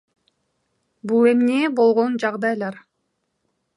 Бул эмне болгон жагдайлар?